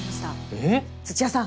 土屋さん！